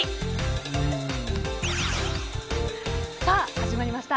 始まりました。